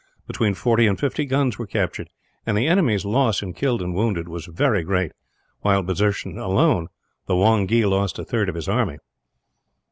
Between forty and fifty guns were captured, and the enemy's loss in killed and wounded was very great while, by desertion alone, the Wongee lost a third of his army.